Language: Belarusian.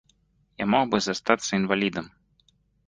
Я мог бы застацца інвалідам.